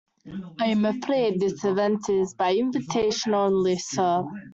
I'm afraid this event is by invitation only, sir.